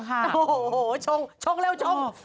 โอ้โหช่องช่องแล้วช่อง